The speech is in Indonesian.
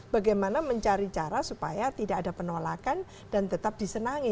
bagaimana mencari cara supaya tidak ada penolakan dan tetap disenangi